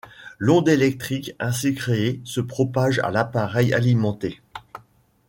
L'onde électrique ainsi créée se propage à l'appareil alimenté.